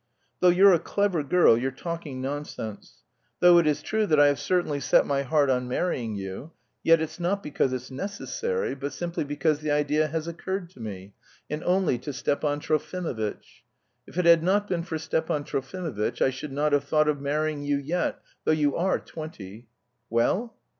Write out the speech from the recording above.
"Though you're a clever girl, you're talking nonsense; though it is true that I have certainly set my heart on marrying you, yet it's not because it's necessary, but simply because the idea has occurred to me, and only to Stepan Trofimovitch. If it had not been for Stepan Trofimovitch, I should not have thought of marrying you yet, though you are twenty.... Well?"